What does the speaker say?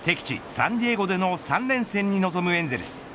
サンディエゴでの３連戦に臨むエンゼルス。